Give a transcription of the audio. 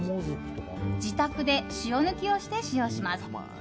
自宅で塩抜きをして使用します。